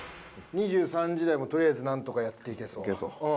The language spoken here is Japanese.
２３時台もとりあえずなんとかやっていけそう。